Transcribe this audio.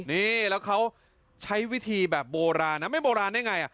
นี่แล้วเขาใช้วิธีแบบโบราณนะไม่โบราณได้ไง